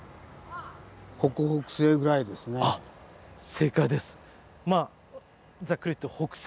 正解です。